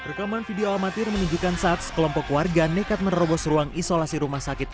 rekaman video amatir menunjukkan saat sekelompok warga nekat menerobos ruang isolasi rumah sakit